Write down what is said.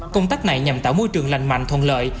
công tác này nhằm tạo môi trường lành mạnh thuận lợi